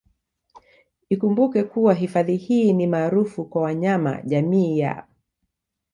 Ikumbukwe kuwa hifadhi hii ni maarufu kwa wanyama jamii ya